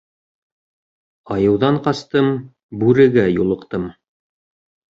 Айыуҙан ҡастым, бүрегә юлыҡтым.